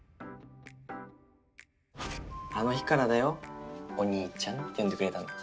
あの日からだよ「お兄ちゃん」って呼んでくれたの。